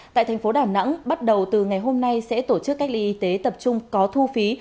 tại thành phố đà nẵng bắt đầu từ ngày hôm nay sẽ tổ chức cách ly y tế tập trung có thu phí